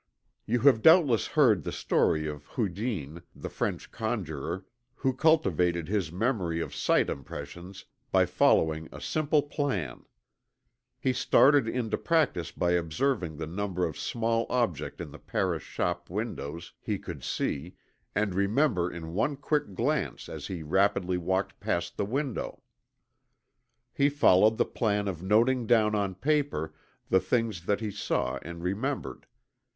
You have doubtless heard the old story of Houdin, the French conjurer, who cultivated his memory of sight impressions by following a simple plan. He started in to practice by observing the number of small objects in the Paris shop windows he could see and remember in one quick glance as he rapidly walked past the window. He followed the plan of noting down on paper the things that he saw and remembered.